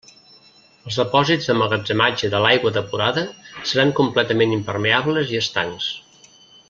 Els depòsits d'emmagatzematge de l'aigua depurada seran completament impermeables i estancs.